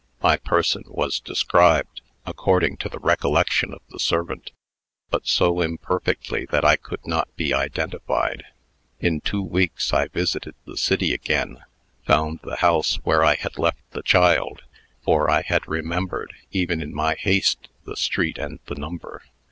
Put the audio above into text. My person was described, according to the recollection of the servant, but so imperfectly that I could not be identified. In two weeks I visited the city again, found the house where I had left the child for I had remembered, even in my haste, the street and the number.